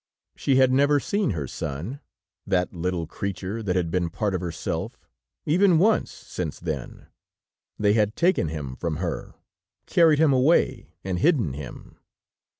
She had never seen her son, that little creature that had been part of herself, even once since then; they had taken him from her, carried him away and hidden him.